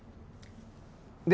で